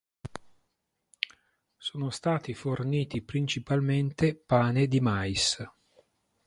Sono stati forniti principalmente pane di mais.